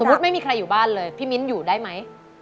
มุติไม่มีใครอยู่บ้านเลยพี่มิ้นอยู่ได้ไหม